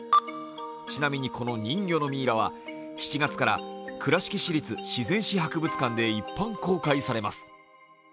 ちなみにこの人魚のミイラは７月から倉敷市立自然史博物館で一般公開されます。